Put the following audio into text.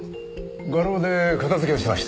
画廊で片付けをしてました。